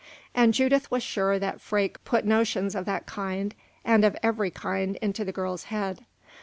And Judith was sure that Freke put notions of that kind and of every kind into the girl's head.